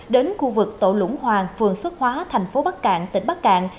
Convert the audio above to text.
đến khu vực tổ lũng hoàng phường xuất hóa thành phố bắc cạn tỉnh bắc cạn